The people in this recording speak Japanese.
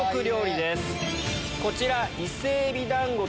こちら。